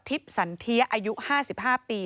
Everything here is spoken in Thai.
สันเทียอายุ๕๕ปี